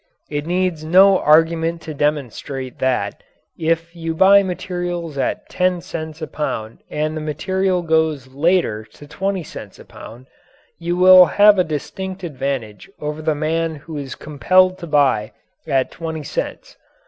It needs no argument to demonstrate that, if you buy materials at ten cents a pound and the material goes later to twenty cents a pound you will have a distinct advantage over the man who is compelled to buy at twenty cents.